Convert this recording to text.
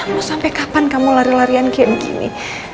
kamu sampai kapan kamu lari larian kayak begini